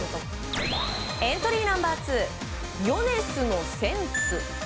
エントリーナンバー２ヨネスのセンス。